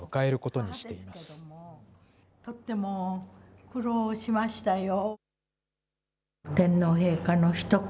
とっても苦労しましたよ。